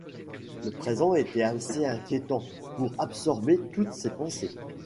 Le présent était assez inquiétant pour absorber toutes ses pensées.